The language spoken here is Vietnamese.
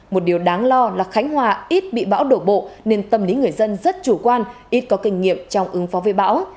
một điều đáng lo là khánh hòa ít bị bão đổ bộ nên tâm lý người dân rất chủ quan ít có kinh nghiệm trong ứng phó với bão